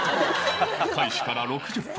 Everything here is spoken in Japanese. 開始から６０分。